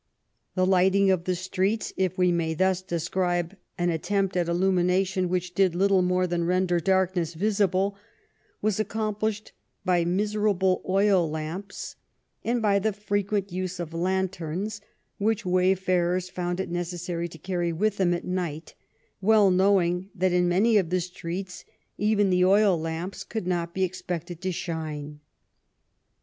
The lighting of the streets, if we may thus describe an attempt at illumination which did little more than render darkness visible, was ac complished by miserable oil lamps and by the frequent use of lanterns, which wayfarers found it necessary to carry with them at night, well knowing that in many of the streets even the oil lamps could not be expe<5ted to shine.